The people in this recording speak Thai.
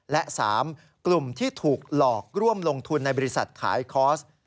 และ๓กลุ่มที่ถูกหลอกร่วมลงทุนในบริษัทขายคอร์ส